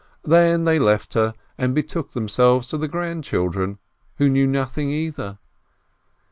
Then they left her, and betook themselves to the grandchildren, who knew nothing, either.